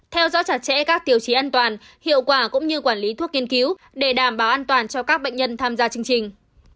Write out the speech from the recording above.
theo dõi chặt chẽ các tiêu chí an toàn hiệu quả cũng như quản lý thuốc nghiên cứu để đảm bảo an toàn cho các bệnh nhân tham gia chương trình